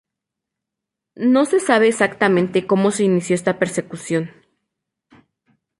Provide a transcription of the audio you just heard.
No se sabe exactamente como se inició esta persecución.